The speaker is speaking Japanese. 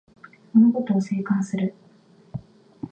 物事を静観する